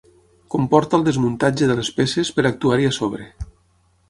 Comporta el desmuntatge de les peces per actuar-hi a sobre.